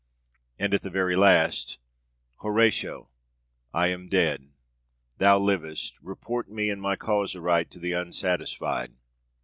and at the very last, 'Horatio, I am dead, Thou livest; report me and my cause aright To the unsatisfied.'